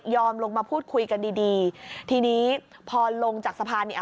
ลงมาพูดคุยกันดีดีทีนี้พอลงจากสะพานเนี่ย